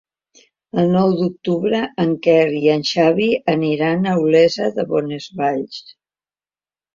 El nou d'octubre en Quer i en Xavi aniran a Olesa de Bonesvalls.